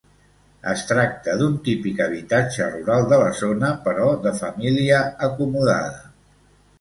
Es tracta d'un típic habitatge rural de la zona, però de família acomodada.